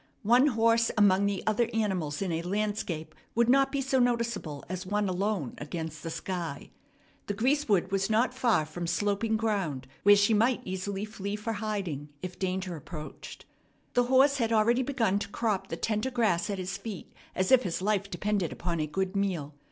One horse among the other animals in a landscape would not be so noticeable as one alone against the sky. The greasewood was not far from sloping ground where she might easily flee for hiding if danger approached. The horse had already begun to crop the tender grass at his feet as if his life depended upon a good meal.